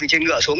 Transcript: trên ngựa xuống